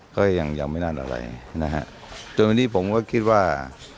ก็ยังยังไม่นั่นอะไรนะฮะจนวันนี้ผมก็คิดว่า